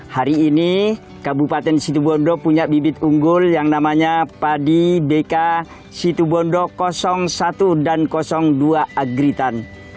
hari ini kabupaten situbondo punya bibit unggul yang namanya padi bk situbondo satu dan dua agritan